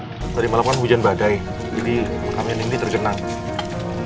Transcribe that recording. ini mungkin karena tadi malam kan hujan badai jadi makam nia nindi terjenang